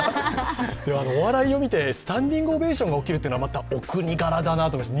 お笑いを見てスタンディングオベーションが起きるっていうのはまたお国柄だなと思います。